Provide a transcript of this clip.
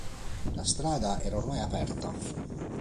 La strada era ormai aperta.